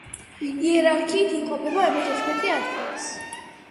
იერარქიით იმყოფება მეთერთმეტე ადგილას.